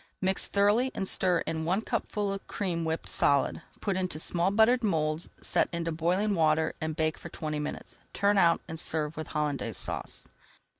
Mix thoroughly and stir in one cupful of cream whipped solid. Put into small buttered moulds, set into boiling water, and bake for twenty minutes. Turn out and serve with Hollandaise Sauce.